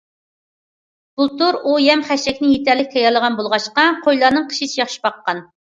بۇلتۇر ئۇ يەم- خەشەكنى يېتەرلىك تەييارلىغان بولغاچقا، قويلارنى قىشىچە ياخشى باققان.